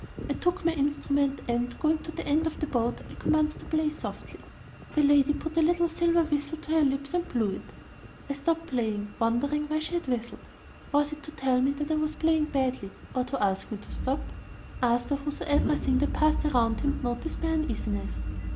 I took my instrument and, going to the end of the boat, I commenced to play softly. The lady put a little silver whistle to her lips and blew it. I stopped playing, wondering why she had whistled. Was it to tell me that I was playing badly, or to ask me to stop? Arthur, who saw everything that passed around him, noticed my uneasiness.